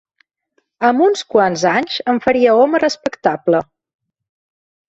Amb uns quants anys em faria home respectable.